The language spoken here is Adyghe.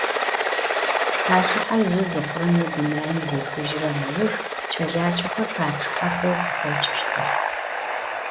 Paççıher zjı zıxhurem yê dunaim zêxıjrem ıujj ç'elaç'exer paççıhe xhou khıxeç'ıştığ.